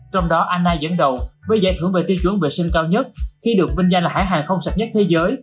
trong đó anna dẫn đầu với giải thưởng về tiêu chuẩn vệ sinh cao nhất khi được vinh danh là hãng hàng không sạch nhất thế giới